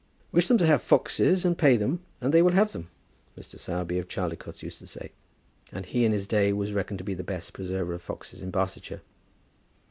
"Wish them to have foxes, and pay them, and they will have them," Mr. Sowerby of Chaldicotes used to say, and he in his day was reckoned to be the best preserver of foxes in Barsetshire.